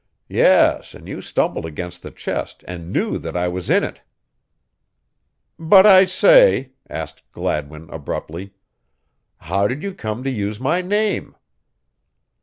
Yes, and you stumbled against the chest and knew that I was in it." "But I say," asked Gladwin, abruptly. "How did you come to use my name?"